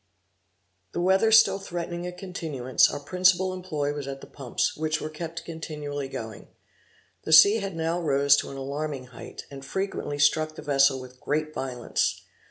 The weather still threatening a continuance, our principal employ was at the pumps, which were kept continually going. The sea had now rose to an alarming height, and frequently struck the vessel with great violence.